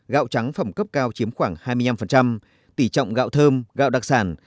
gạo trắng phẩm cấp cao chiếm khoảng hai mươi năm tỷ trọng gạo thơm gạo đặc sản